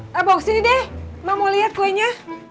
bawa ke sini deh ma mau lihat kuenya